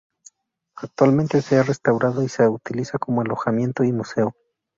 Actualmente se ha restaurado y se utiliza como alojamiento y museo.